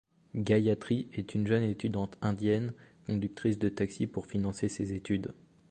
Gayatri est une jeune étudiante indienne, conductrice de taxi pour financer ses études.